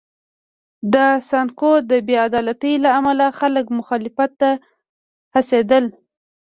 د سانکو د بې عدالتۍ له امله خلک مخالفت ته هڅېدل.